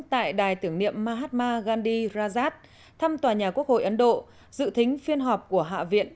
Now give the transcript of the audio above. tại đài tưởng niệm mahatma gandi rajat thăm tòa nhà quốc hội ấn độ dự thính phiên họp của hạ viện